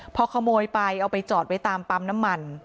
พอขโมยไปเอาไปจอดไว้ตามปั๊มน้ำมัน